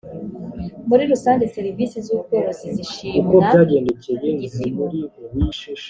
muri rusange serivisi z ubworozi zishimwa ku gipimo